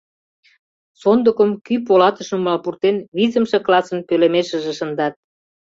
Сондыкым кӱ полатыш нумал пуртен, визымше классын пӧлемешыже шындат.